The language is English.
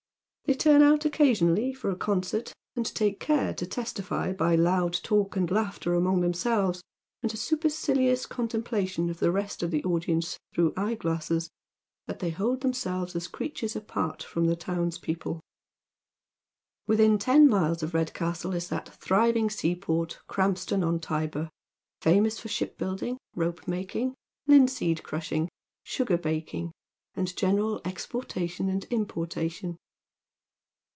They turn out occasi(»ally for a concert, and take care to testify by loud talk and laughter among themselves, and a sttpercilious con templation of the rest of the audience through eye glasses, that they hold themselves as creatures apart £"om the towns people. Within ten miles of Redcastle is that thriving seaport, Krampston on Tybur, famous for shipbuilding, ropemaking, linseed crushing, sugar baking, and general exportation and importation.